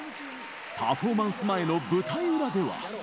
パフォーマンス前の舞台裏では。